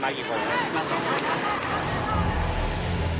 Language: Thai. มากี่คนครับมา๒คนครับ